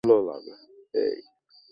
আমাদের মূল লক্ষ্য মুসলমানদের ধ্বংস।